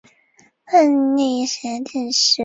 边沁后功利主义的最重要代表人物之一。